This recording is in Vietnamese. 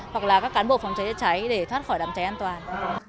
hoặc là các cán bộ phòng cháy chữa cháy để thoát khỏi đám cháy an toàn